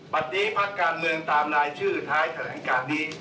บัตรนี้พักการเมืองตามรายชื่อท้ายแถลงการนี้